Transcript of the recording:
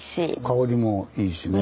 香りもいいしね。